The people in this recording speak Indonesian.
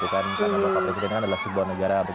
karena bapak presiden kan adalah sebuah negara